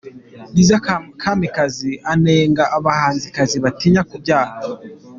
Liza Kamikazi anenga abahanzikazi batinya kubyara